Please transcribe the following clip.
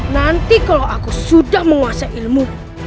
nanti kalau aku sudah menguasai ilmu